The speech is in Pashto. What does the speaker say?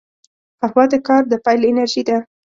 قهوه د کار د پیل انرژي ده